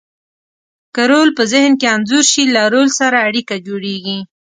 که رول په ذهن کې انځور شي، له رول سره اړیکه جوړیږي.